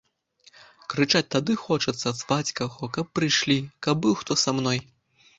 Крычаць тады хочацца, зваць каго, каб прыйшлі, каб быў хто са мной.